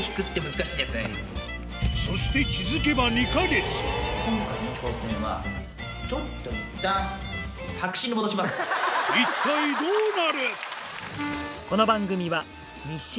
そして気付けば２か月一体どうなる？